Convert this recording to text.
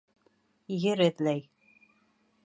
Ер эҙләй.